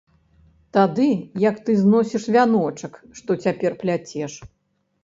Тады, як ты зносіш вяночак, што цяпер пляцеш.